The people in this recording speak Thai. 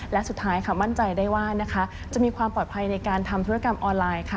และสุดท้ายค่ะมั่นใจได้ว่านะคะจะมีความปลอดภัยในการทำธุรกรรมออนไลน์ค่ะ